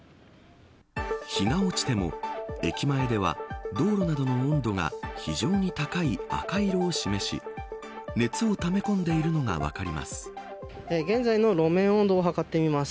日が落ちても駅前では道路などの温度が非常に高い赤色を示し熱をため込んでいるのが分かります。